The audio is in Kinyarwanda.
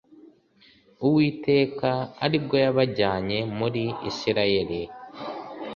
Uwiteka ari bwo yabajyanye muri Isirayeli